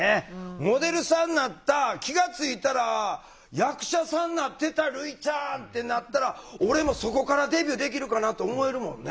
モデルさんなった気が付いたら役者さんなってた類ちゃんってなったら俺もそこからデビューできるかなと思えるもんね。